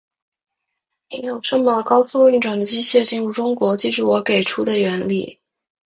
你有这么高速运转的机械进入中国，记住我给出的原理。